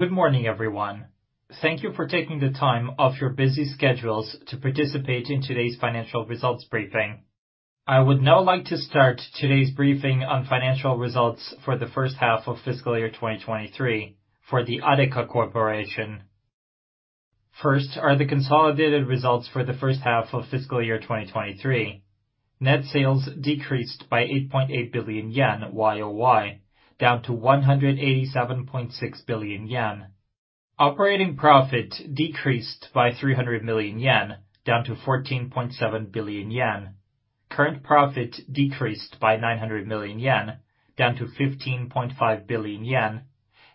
Good morning, everyone. Thank you for taking the time off your busy schedules to participate in today's financial results briefing. I would now like to start today's briefing on financial results for the first half of fiscal year 2023 for the ADEKA CORPORATION. First are the consolidated results for the first half of fiscal year 2023. Net sales decreased by 8.8 billion yen Y-o-Y, down to 187.6 billion yen. Operating profit decreased by 300 million yen, down to 14.7 billion yen. Current profit decreased by 900 million yen, down to 15.5 billion yen,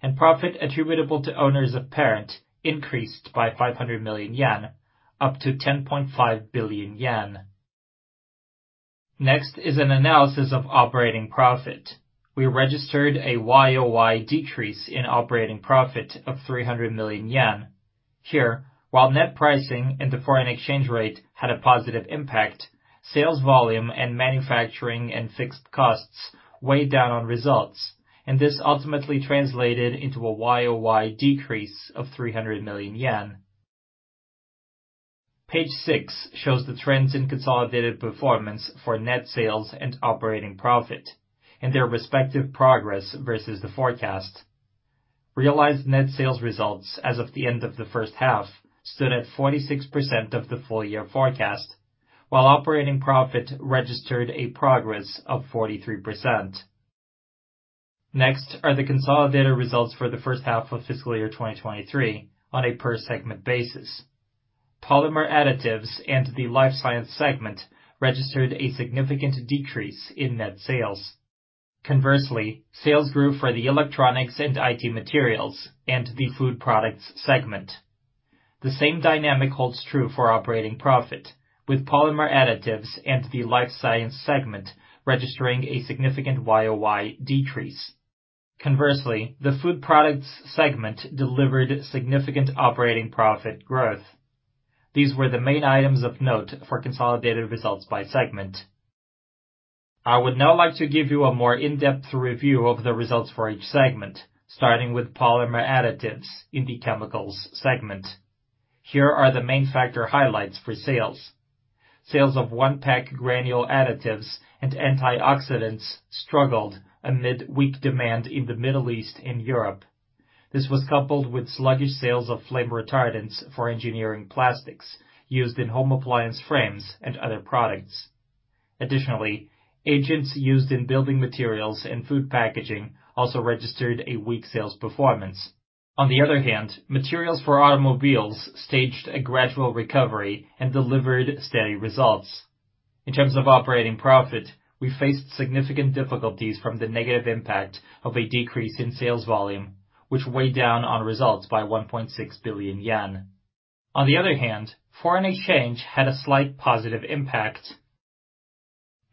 and profit attributable to owners of parent increased by 500 million yen, up to 10.5 billion yen. Next is an analysis of operating profit. We registered a Y-o-Y decrease in operating profit of 300 million yen. Here, while net pricing, and the foreign exchange rate had a positive impact, sales volume, and manufacturing, and fixed costs weighed down on results, and this ultimately translated into a Y-o-Y decrease of 300 million yen. Page 6 shows the trends in consolidated performance for net sales and operating profit and their respective progress versus the forecast. Realized net sales results as of the end of the first half stood at 46% of the full year forecast, while operating profit registered a progress of 43%. Next are the consolidated results for the first half of fiscal year 2023 on a per segment basis. Polymer additives and the life science segment registered a significant decrease in net sales. Conversely, sales grew for the electronics and IT materials and the food products segment. The same dynamic holds true for operating profit, with polymer additives and the life science segment registering a significant Y-o-Y decrease. Conversely, the food products segment delivered significant operating profit growth. These were the main items of note for consolidated results by segment. I would now like to give you a more in-depth review of the results for each segment, starting with polymer additives in the chemicals segment. Here are the main factor highlights for sales. Sales of one-pack granule additives and antioxidants struggled amid weak demand in the Middle East and Europe. This was coupled with sluggish sales of flame retardants for engineering plastics used in home appliance frames, and other products. Additionally, agents used in building materials, and food packaging also registered a weak sales performance. On the other hand, materials for automobiles staged a gradual recovery and delivered steady results. In terms of operating profit, we faced significant difficulties from the negative impact of a decrease in sales volume, which weighed down on results by 1.6 billion yen. On the other hand, foreign exchange had a slight positive impact.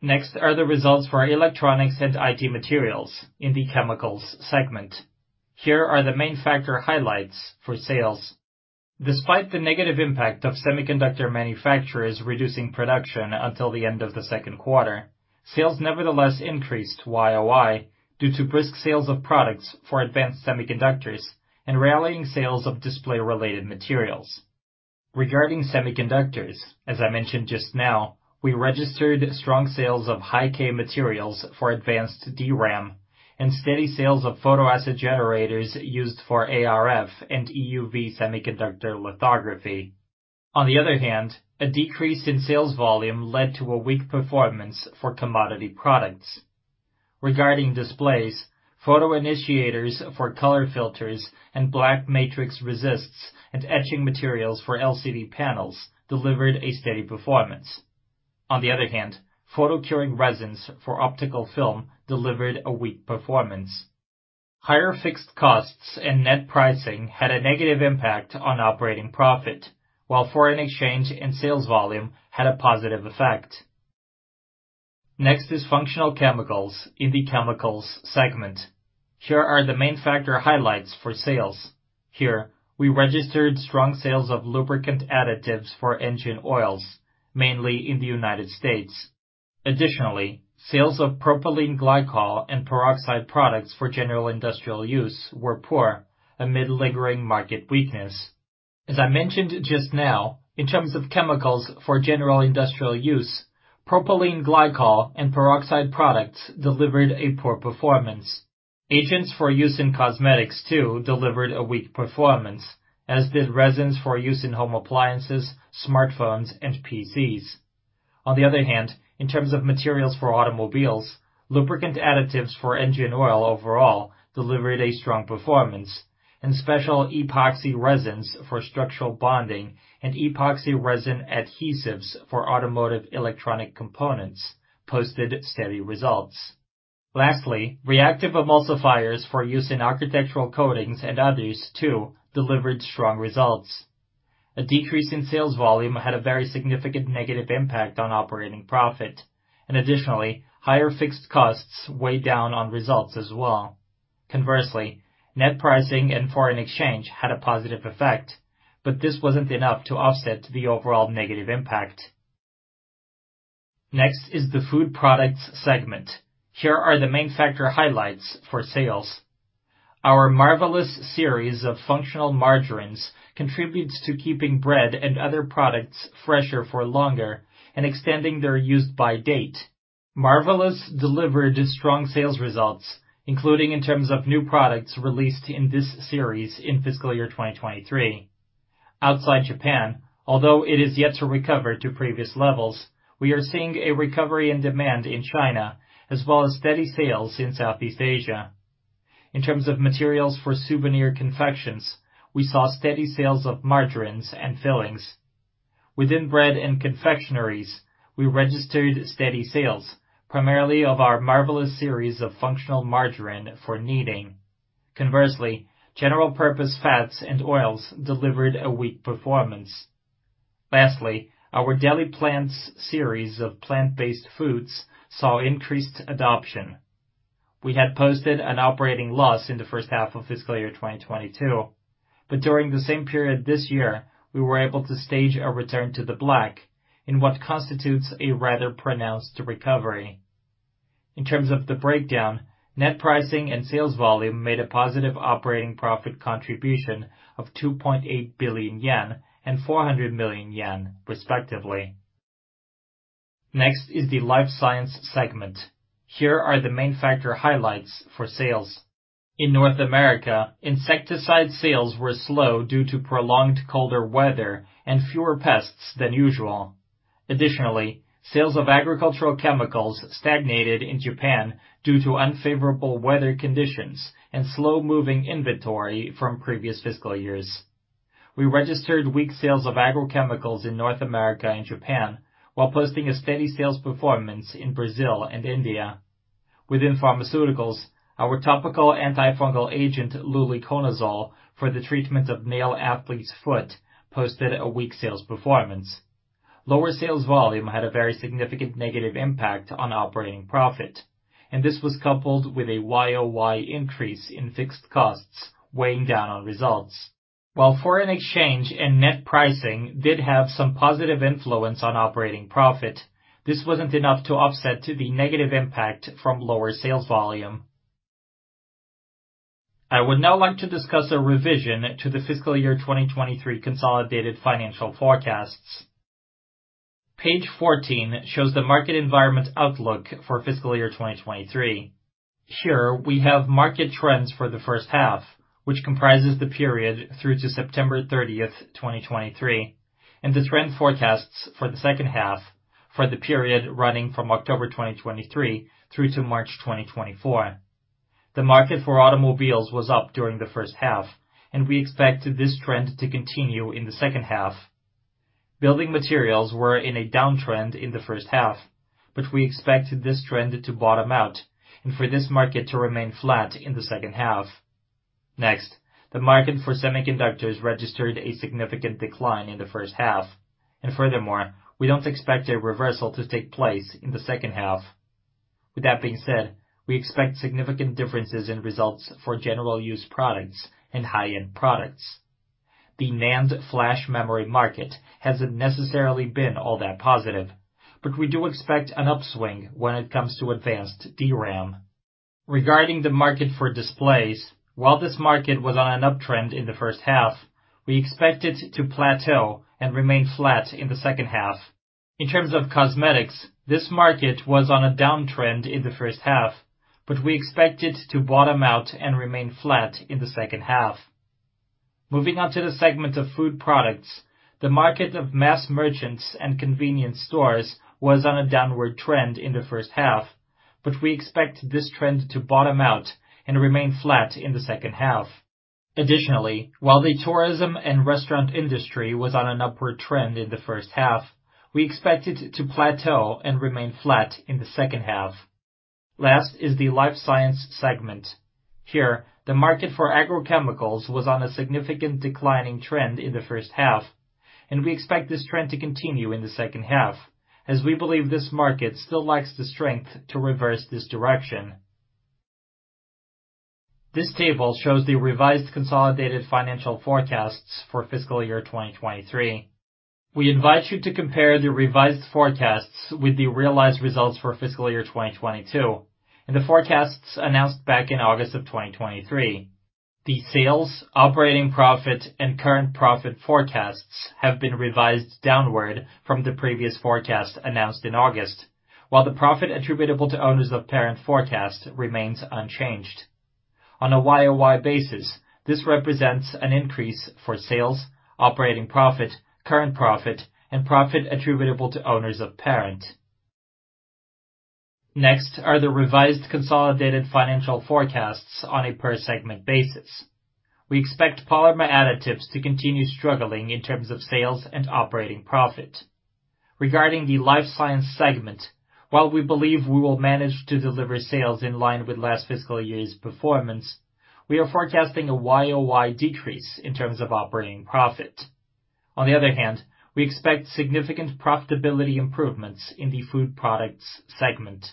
Next are the results for our electronics, and IT materials in the chemicals segment. Here are the main factor highlights for sales. Despite the negative impact of semiconductor manufacturers reducing production until the end of the second quarter, sales nevertheless increased Y-o-Y due to brisk sales of products for advanced semiconductors, and rallying sales of display-related materials. Regarding semiconductors, as I mentioned just now, we registered strong sales of high-K materials for advanced DRAM and steady sales of photoacid generators used for ARF and EUV semiconductor lithography. On the other hand, a decrease in sales volume led to a weak performance for commodity products. Regarding displays, photoinitiators for color filters and black matrix resists and etching materials for LCD panels delivered a steady performance. On the other hand, photo-curing resins for optical film delivered a weak performance. Higher fixed costs and net pricing had a negative impact on operating profit, while foreign exchange and sales volume had a positive effect. Next is functional chemicals in the chemicals segment. Here are the main factor highlights for sales. Here, we registered strong sales of lubricant additives for engine oils, mainly in the United States. Additionally, sales of propylene glycol and peroxide products for general industrial use were poor amid lingering market weakness. As I mentioned just now, in terms of chemicals for general industrial use, propylene glycol and peroxide products delivered a poor performance. Agents for use in cosmetics, too, delivered a weak performance, as did resins for use in home appliances, smartphones, and PCs. On the other hand, in terms of materials for automobiles, lubricant additives for engine oil overall delivered a strong performance and special epoxy resins for structural bonding and epoxy resin adhesives for automotive electronic components posted steady results. Lastly, reactive emulsifiers for use in architectural coatings and others too delivered strong results. A decrease in sales volume had a very significant negative impact on operating profit. Additionally, higher fixed costs weighed down on results as well. Conversely, net pricing and foreign exchange had a positive effect, but this wasn't enough to offset the overall negative impact. Next is the food products segment. Here are the main factor highlights for sales. Our Marvelous series of functional margarines contributes to keeping bread and other products fresher for longer and extending their use-by date. Marvelous delivered strong sales results, including in terms of new products released in this series in fiscal year 2023. Outside Japan, although it is yet to recover to previous levels, we are seeing a recovery and demand in China as well as steady sales in Southeast Asia. In terms of materials for souvenir confections, we saw steady sales of margarines and fillings. Within bread and confectioneries, we registered steady sales, primarily of our Marvelous series of functional margarine for kneading. Conversely, general-purpose fats and oils delivered a weak performance. Lastly, our Deli-PLANTS series of plant-based foods saw increased adoption. We had posted an operating loss in the first half of fiscal year 2022, but during the same period this year, we were able to stage a return to the black in what constitutes a rather pronounced recovery. In terms of the breakdown, net pricing and sales volume made a positive operating profit contribution of 2.8 billion yen and 400 million yen, respectively. Next is the life science segment. Here are the main factor highlights for sales. In North America, insecticide sales were slow due to prolonged colder weather, and fewer pests than usual. Additionally, sales of agricultural chemicals stagnated in Japan due to unfavorable weather conditions and slow-moving inventory from previous fiscal years. We registered weak sales of agrochemicals in North America and Japan while posting a steady sales performance in Brazil and India. Within pharmaceuticals, our topical antifungal agent, luliconazole, for the treatment of male athlete's foot, posted a weak sales performance. Lower sales volume had a very significant negative impact on operating profit, and this was coupled with a Y-o-Y increase in fixed costs weighing down on results. While foreign exchange and net pricing did have some positive influence on operating profit, this wasn't enough to offset the negative impact from lower sales volume. I would now like to discuss a revision to the fiscal year 2023 consolidated financial forecasts. Page 14 shows the market environment outlook for fiscal year 2023. Here we have market trends for the first half, which comprises the period through to September 30, 2023, and the trend forecasts for the second half for the period running from October 2023 through to March 2024. The market for automobiles was up during the first half, and we expect this trend to continue in the second half. Building materials were in a downtrend in the first half, but we expect this trend to bottom out and for this market to remain flat in the second half. Next, the market for semiconductors registered a significant decline in the first half, and furthermore, we don't expect a reversal to take place in the second half. With that being said, we expect significant differences in results for general use products and high-end products. The NAND flash memory market hasn't necessarily been all that positive, but we do expect an upswing when it comes to advanced DRAM. Regarding the market for displays, while this market was on an uptrend in the first half, we expect it to plateau and remain flat in the second half. In terms of cosmetics, this market was on a downtrend in the first half, but we expect it to bottom out and remain flat in the second half. Moving on to the segment of food products, the market of mass merchants, and convenience stores was on a downward trend in the first half, but we expect this trend to bottom out and remain flat in the second half. Additionally, while the tourism and restaurant industry was on an upward trend in the first half, we expect it to plateau and remain flat in the second half. Last is the life science segment. Here, the market for agrochemicals was on a significant declining trend in the first half, and we expect this trend to continue in the second half as we believe this market still lacks the strength to reverse this direction. This table shows the revised consolidated financial forecasts for fiscal year 2023. We invite you to compare the revised forecasts with the realized results for fiscal year 2022 and the forecasts announced back in August 2023. The sales, operating profit, and current profit forecasts have been revised downward from the previous forecast announced in August, while the profit attributable to owners of parent forecast remains unchanged. On a Y-o-Y basis, this represents an increase for sales, operating profit, current profit, and profit attributable to owners of parent. Next are the revised consolidated financial forecasts on a per segment basis. We expect polymer additives to continue struggling in terms of sales, and operating profit. Regarding the life science segment, while we believe we will manage to deliver sales in line with last fiscal year's performance, we are forecasting a Y-o-Y decrease in terms of operating profit. On the other hand, we expect significant profitability improvements in the food products segment.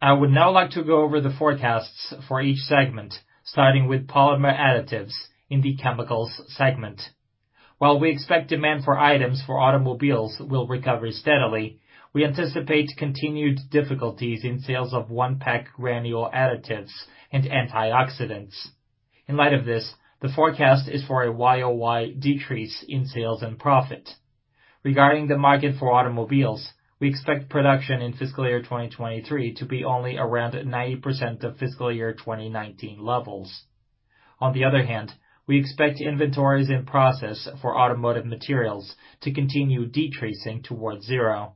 I would now like to go over the forecasts for each segment, starting with polymer additives in the chemicals segment. While we expect demand for items for automobiles will recover steadily, we anticipate continued difficulties in sales of one-pack granule additives and antioxidants. In light of this, the forecast is for a YOY decrease in sales and profit. Regarding the market for automobiles, we expect production in fiscal year 2023 to be only around 90% of fiscal year 2019 levels. On the other hand, we expect inventories in process for automotive materials to continue decreasing towards zero.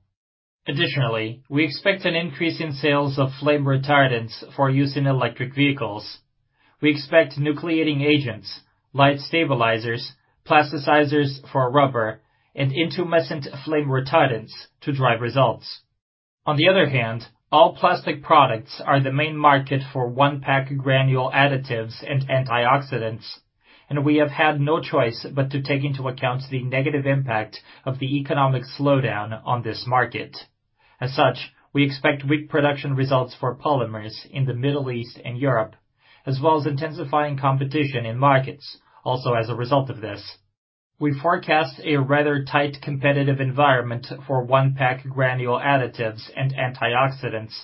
Additionally, we expect an increase in sales of flame retardants for use in electric vehicles. We expect nucleating agents, light stabilizers, plasticizers for rubber, and intumescent flame retardants to drive results. On the other hand, all plastic products are the main market for one-pack granule additives and antioxidants, and we have had no choice but to take into account the negative impact of the economic slowdown on this market. As such, we expect weak production results for polymers in the Middle East and Europe, as well as intensifying competition in markets also as a result of this. We forecast a rather tight competitive environment for one-pack granule additives and antioxidants,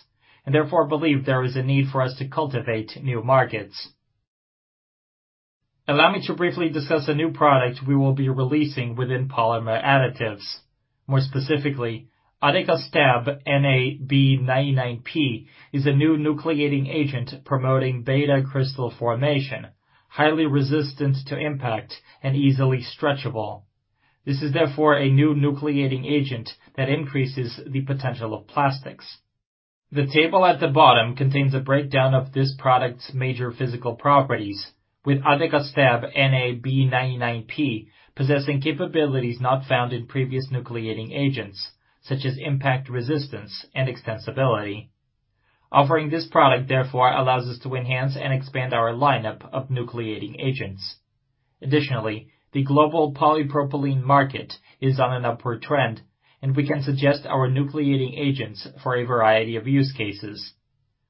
and therefore believe there is a need for us to cultivate new markets. Allow me to briefly discuss a new product we will be releasing within polymer additives. More specifically, ADK STAB NA-B99P is a new nucleating agent promoting beta crystal formation, highly resistant to impact and easily stretchable. This is therefore a new nucleating agent that increases the potential of plastics. The table at the bottom contains a breakdown of this product's major physical properties, with ADK STAB NA-B99P possessing capabilities not found in previous nucleating agents, such as impact resistance and extensibility. Offering this product therefore allows us to enhance and expand our lineup of nucleating agents. Additionally, the global polypropylene market is on an upward trend, and we can suggest our nucleating agents for a variety of use cases.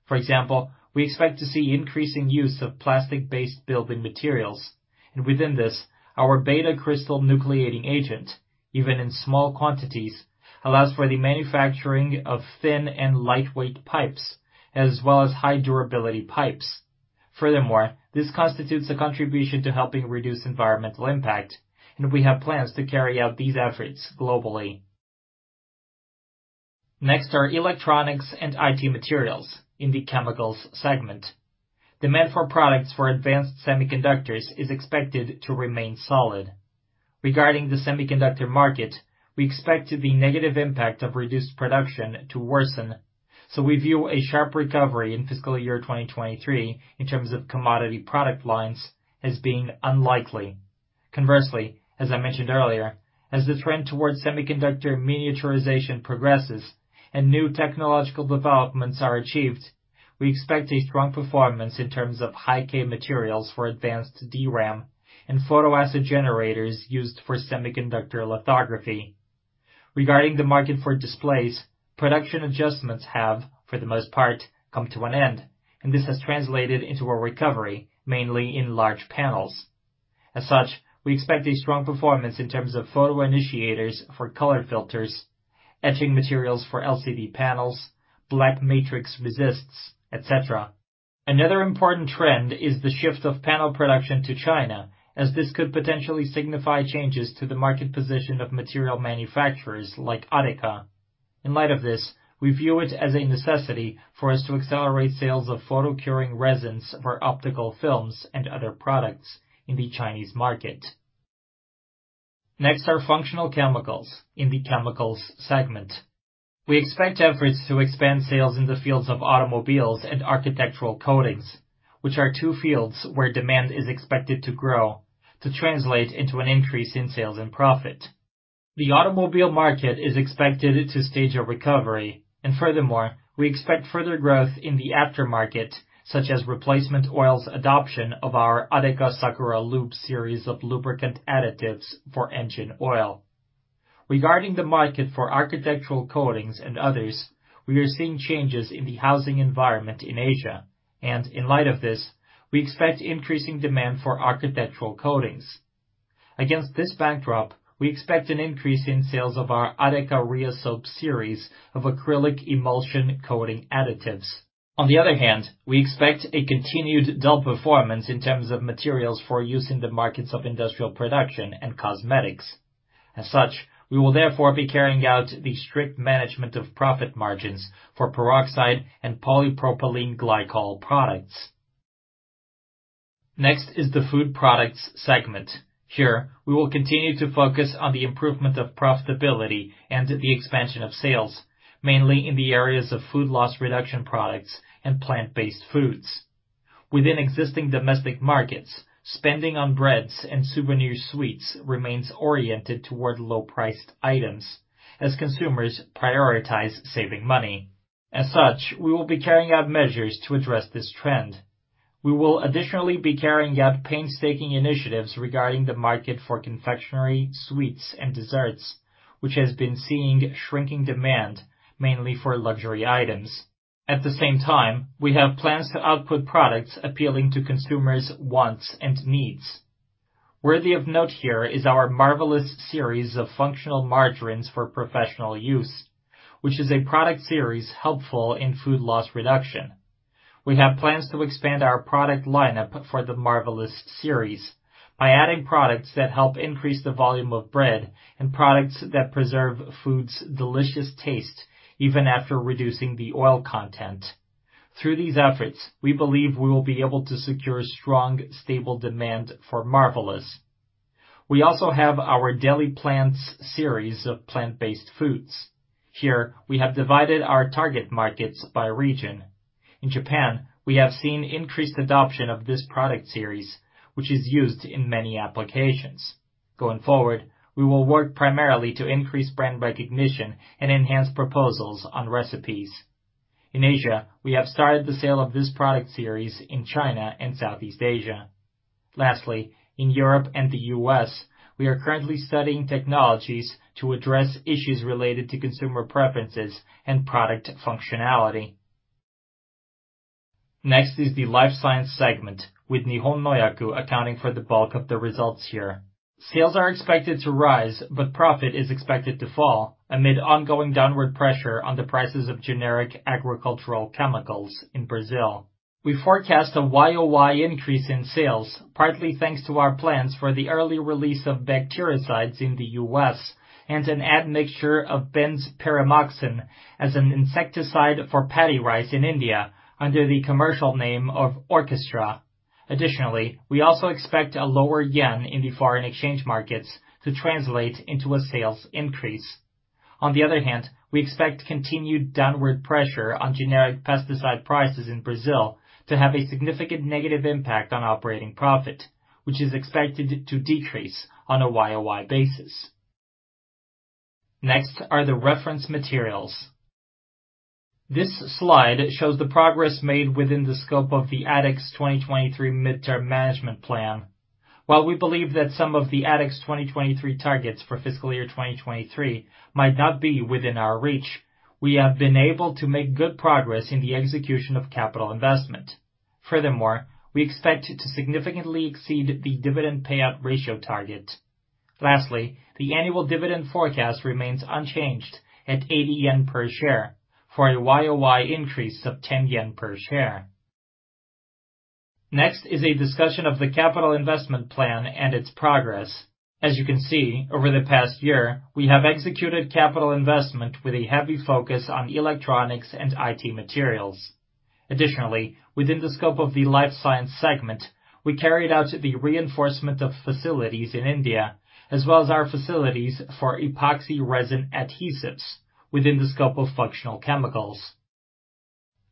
For example, we expect to see increasing use of plastic-based building materials, and within this, our beta crystal nucleating agent, even in small quantities, allows for the manufacturing of thin and lightweight pipes, as well as high-durability pipes. Furthermore, this constitutes a contribution to helping reduce environmental impact, and we have plans to carry out these efforts globally. Next are electronics and IT materials in the chemicals segment. Demand for products for advanced semiconductors is expected to remain solid. Regarding the semiconductor market, we expect the negative impact of reduced production to worsen, so we view a sharp recovery in fiscal year 2023 in terms of commodity product lines as being unlikely. Conversely, as I mentioned earlier, as the trend towards semiconductor miniaturization progresses and new technological developments are achieved, we expect a strong performance in terms of high-K materials for advanced DRAM and photoacid generators used for semiconductor lithography. Regarding the market for displays, production adjustments have, for the most part, come to an end, and this has translated into a recovery, mainly in large panels. As such, we expect a strong performance in terms of photoinitiators for color filters, etching materials for LCD panels, black matrix resists, etc. Another important trend is the shift of panel production to China, as this could potentially signify changes to the market position of material manufacturers like ADEKA. In light of this, we view it as a necessity for us to accelerate sales of photo-curing resins for optical films and other products in the Chinese market. Next are functional chemicals in the chemicals segment. We expect efforts to expand sales in the fields of automobiles and architectural coatings, which are two fields where demand is expected to grow to translate into an increase in sales and profit. The automobile market is expected to stage a recovery, and furthermore, we expect further growth in the aftermarket, such as replacement oils adoption of our ADEKA Sakura-Lube series of lubricant additives for engine oil. Regarding the market for architectural coatings and others, we are seeing changes in the housing environment in Asia, and in light of this, we expect increasing demand for architectural coatings. Against this backdrop, we expect an increase in sales of our ADEKA REASOAP series of acrylic emulsion coating additives. On the other hand, we expect a continued dull performance in terms of materials for use in the markets of industrial production and cosmetics. As such, we will therefore be carrying out the strict management of profit margins for peroxide, and polypropylene glycol products. Next is the food products segment. Here, we will continue to focus on the improvement of profitability, and the expansion of sales, mainly in the areas of food loss reduction products and plant-based foods. Within existing domestic markets, spending on breads and souvenir sweets remains oriented toward low-priced items as consumers prioritize saving money. As such, we will be carrying out measures to address this trend. We will additionally be carrying out painstaking initiatives regarding the market for confectionery, sweets, and desserts, which has been seeing shrinking demand, mainly for luxury items. At the same time, we have plans to output products appealing to consumers' wants and needs. Worthy of note here is our Marvelous series of functional margarines for professional use, which is a product series helpful in food loss reduction. We have plans to expand our product lineup for the Marvelous series by adding products that help increase the volume of bread, and products that preserve food's delicious taste even after reducing the oil content. Through these efforts, we believe we will be able to secure strong, stable demand for Marvelous. We also have our Deli-PLANTS series of plant-based foods. Here, we have divided our target markets by region. In Japan, we have seen increased adoption of this product series, which is used in many applications. Going forward, we will work primarily to increase brand recognition and enhance proposals on recipes. In Asia, we have started the sale of this product series in China and Southeast Asia. Lastly, in Europe and the US, we are currently studying technologies to address issues related to consumer preferences and product functionality. Next is the life science segment with Nihon Nohyaku accounting for the bulk of the results here. Sales are expected to rise, but profit is expected to fall amid ongoing downward pressure on the prices of generic agricultural chemicals in Brazil. We forecast a Y-o-Y increase in sales, partly thanks to our plans for the early release of bactericides in the US and an admixture of benzpyrimoxan as an insecticide for paddy rice in India under the commercial name of Orchestra. We also expect a lower yen in the foreign exchange markets to translate into a sales increase. On the other hand, we expect continued downward pressure on generic pesticide prices in Brazil to have a significant negative impact on operating profit, which is expected to decrease on a Y-o-Y basis. Next are the reference materials. This slide shows the progress made within the scope of the ADX 2023 mid-term management plan. While we believe that some of the ADX 2023 targets for fiscal year 2023 might not be within our reach, we have been able to make good progress in the execution of capital investment. Furthermore, we expect to significantly exceed the dividend payout ratio target. Lastly, the annual dividend forecast remains unchanged at 80 yen per share for a Y-o-Y increase of 10 yen per share. Next is a discussion of the capital investment plan and its progress. As you can see, over the past year, we have executed capital investment with a heavy focus on electronics and IT materials. Additionally, within the scope of the life science segment, we carried out the reinforcement of facilities in India, as well as our facilities for epoxy resin adhesives within the scope of functional chemicals.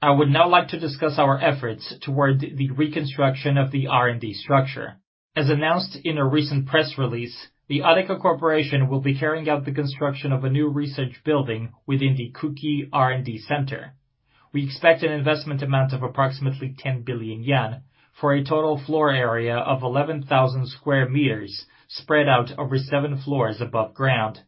I would now like to discuss our efforts toward the reconstruction of the R&D structure. As announced in a recent press release, the ADEKA Corporation will be carrying out the construction of a new research building within the Kuki R&D Center. We expect an investment amount of approximately 10 billion yen for a total floor area of 11,000 square meters spread out over seven floors above ground.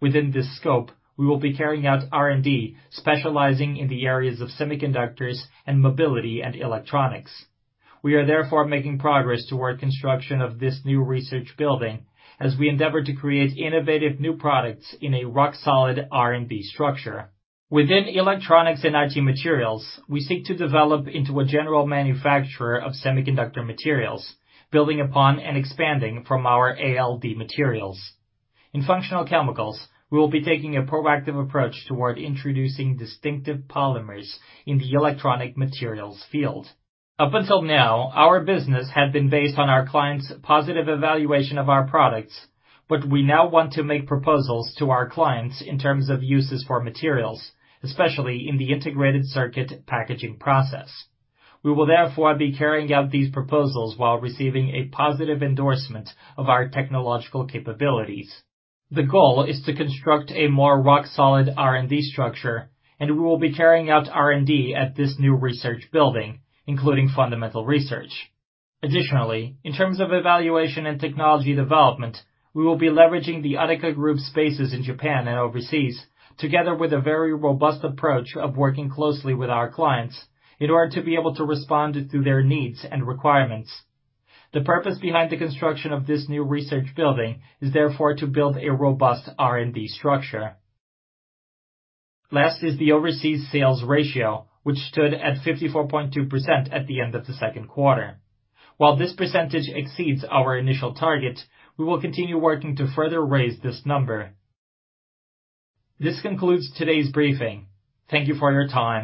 Within this scope, we will be carrying out R&D, specializing in the areas of semiconductors and mobility and electronics. We are therefore making progress toward construction of this new research building as we endeavor to create innovative new products in a rock-solid R&D structure. Within electronics and IT materials, we seek to develop into a general manufacturer of semiconductor materials, building upon and expanding from our ALD materials. In functional chemicals, we will be taking a proactive approach toward introducing distinctive polymers in the electronic materials field. Up until now, our business had been based on our clients' positive evaluation of our products, but we now want to make proposals to our clients in terms of uses for materials, especially in the integrated circuit packaging process. We will therefore be carrying out these proposals while receiving a positive endorsement of our technological capabilities. The goal is to construct a more rock-solid R&D structure, and we will be carrying out R&D at this new research building, including fundamental research. Additionally, in terms of evaluation and technology development, we will be leveraging the ADEKA Group spaces in Japan and overseas, together with a very robust approach of working closely with our clients in order to be able to respond to their needs and requirements. The purpose behind the construction of this new research building is therefore to build a robust R&D structure. Last is the overseas sales ratio, which stood at 54.2% at the end of the second quarter. While this percentage exceeds our initial target, we will continue working to further raise this number. This concludes today's briefing. Thank you for your time.